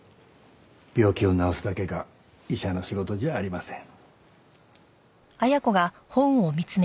病気を治すだけが医者の仕事じゃありません。